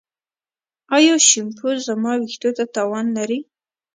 ایا شیمپو زما ویښتو ته تاوان لري؟